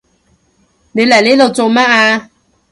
你嚟呢度做乜啊？